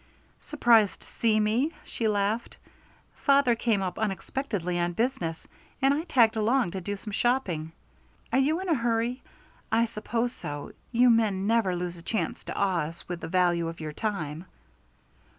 "Surprised to see me?" she laughed. "Father came up unexpectedly on business, and I tagged along to do some shopping. Are you in a hurry? I suppose so. You men never lose a chance to awe us with the value of your time."